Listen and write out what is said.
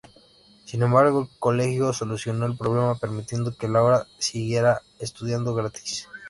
Sin embargo, el colegio solucionó el problema permitiendo que Laura siguiera estudiando gratis.